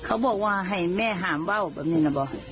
เขาบอกว่าให้แม่หามว่าวแบบนี้นะบอก